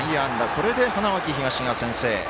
これで花巻東が先制。